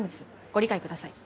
ご理解ください。